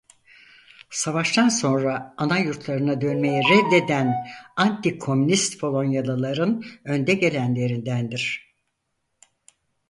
Savaştan sonra anayurtlarına dönmeyi reddeden antikomünist Polonyalıların önde gelenlerindendir.